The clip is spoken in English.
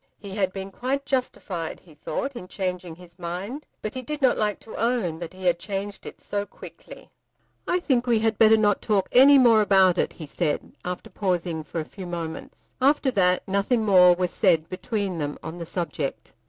He had been quite justified, he thought, in changing his mind, but he did not like to own that he had changed it so quickly. "I think we had better not talk any more about it," he said, after pausing for a few moments. After that nothing more was said between them on the subject.